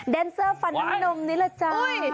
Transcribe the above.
แดนเซอร์ฟันน้ำนี่แหละจ๊ะ